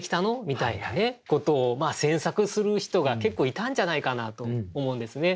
みたいなことを詮索する人が結構いたんじゃないかなと思うんですね。